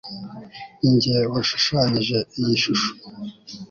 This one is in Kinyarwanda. Ninjye washushanyije iyi shusho